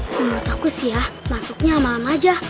menurut aku sih ya masuknya malam aja